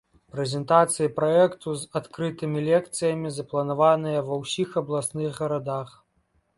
Прэзентацыі праекту з адкрытымі лекцыямі запланаваныя ва ўсіх абласных гарадах.